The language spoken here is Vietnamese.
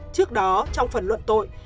trước đó trong phần luận tội